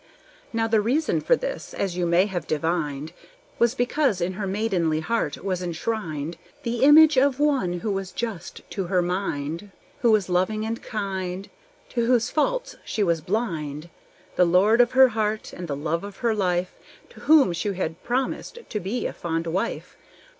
Now the reason for this, as you may have divined, Was because in her maidenly heart was enshrined The image of one who was just to her mind: Who was loving and kind, To whose faults she was blind, The lord of her heart, and the love of her life, To whom she had promised to be a fond wife.